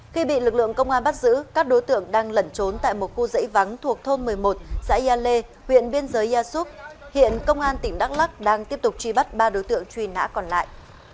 khi bị lực lượng công an bắt giữ các đối tượng đang lẩn trốn tại một khu dãy vắng thuộc thôn một mươi một xã gia lê huyện biên giới gia súc hiện công an tỉnh đắk lắc đang tiếp tục truy bắt ba đối tượng truy nã còn lại